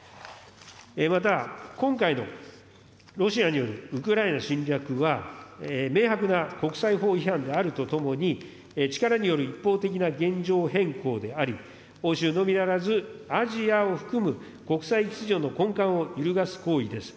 また、今回のロシアによるウクライナ侵略は、明白な国際法違反であるとともに、力による一方的な現状変更であり、欧州のみならず、アジアを含む国際秩序の根幹を揺るがす行為です。